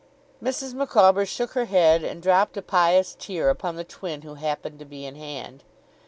Mrs. Micawber shook her head, and dropped a pious tear upon the twin who happened to be in hand.